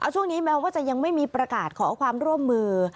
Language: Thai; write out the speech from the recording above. ช่วงนี้แม้ว่าจะยังไม่มีประกาศขอความร่วมมือ